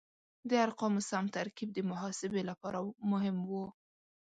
د ارقامو سم ترکیب د محاسبې لپاره مهم و.